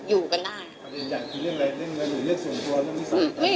ก่อนอยู่ค่ะเปลี่ยนอยู่แล้วค่ะ